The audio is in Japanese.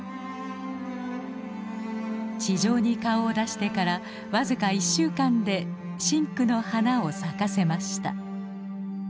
地上に顔を出してからわずか１週間で深紅の花を咲かせました。